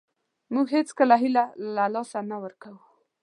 موږ هېڅکله هیله له لاسه نه ورکوو .